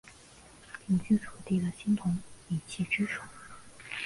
鼎居楚地的青铜礼器之首。